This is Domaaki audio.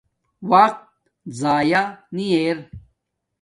وقت ضایہ نی ار